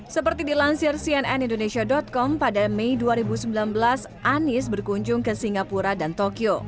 seperti dilansir cnn indonesia com pada mei dua ribu sembilan belas anies berkunjung ke singapura dan tokyo